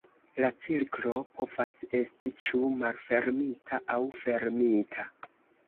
La cirklo povas esti ĉu malfermita aŭ fermita.